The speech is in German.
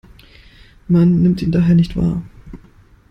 Man nimmt ihn daher nicht wahr.